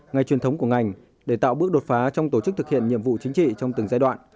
ngày truyền thống của ngành để tạo bước đột phá trong tổ chức thực hiện nhiệm vụ chính trị trong từng giai đoạn